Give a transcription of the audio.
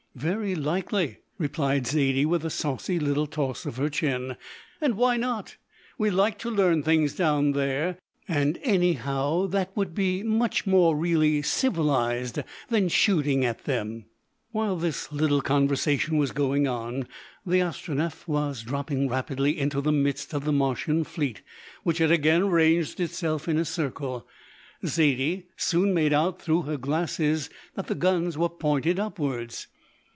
"Very likely," replied Zaidie, with a saucy little toss of her chin; "and why not? We like to learn things down there and anyhow that would be much more really civilised than shooting at them." While this little conversation was going on, the Astronef was dropping rapidly into the midst of the Martian fleet, which had again arranged itself in a circle. Zaidie soon made out through her glasses that the guns were pointed upwards.